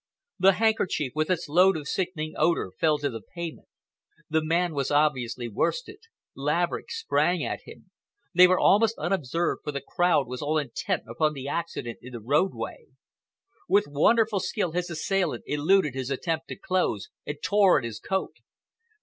The handkerchief, with its load of sickening odor, fell to the pavement. The man was obviously worsted. Laverick sprang at him. They were almost unobserved, for the crowd was all intent upon the accident in the roadway. With wonderful skill, his assailant eluded his attempt to close, and tore at his coat.